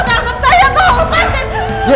saya bisa jelasin semuanya